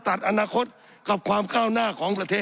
สับขาหลอกกันไปสับขาหลอกกันไป